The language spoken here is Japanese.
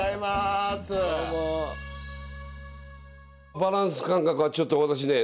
バランス感覚はちょっと私ね